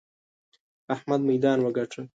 احمد ميدان وګاټه!